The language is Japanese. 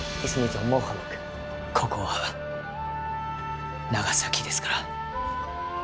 ここは長崎ですから。